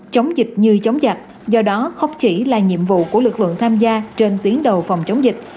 chống dịch như chống giặc do đó không chỉ là nhiệm vụ của lực lượng tham gia trên tuyến đầu phòng chống dịch